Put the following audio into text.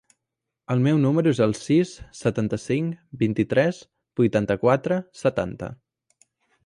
El meu número es el sis, setanta-cinc, vint-i-tres, vuitanta-quatre, setanta.